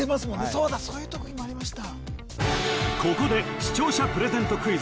そうだそういう特技もありました